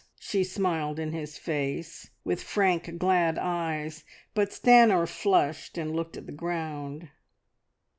She smiled in his face with frank, glad eyes, but Stanor flushed and looked at the ground.